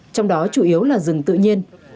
trong đó chủ yếu là rừng tự nhiên